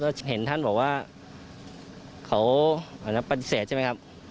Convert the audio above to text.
ก็เห็นท่านบอกว่าเขาปฏิเสธใช่ไหมครับ